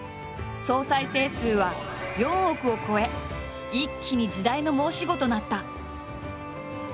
総再生数は４億を超え一気に時代の申し子となった。